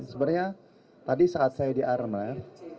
sebenarnya tadi saat saya di armai